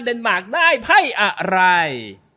เดนมาร์กได้ไพ่อะไร